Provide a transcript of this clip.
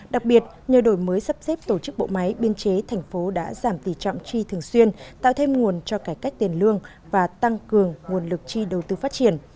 đặc biệt nhờ đổi mới sắp xếp tổ chức bộ máy biên chế thành phố đã giảm tỷ trọng chi thường xuyên tạo thêm nguồn cho cải cách tiền lương và tăng cường nguồn lực chi đầu tư phát triển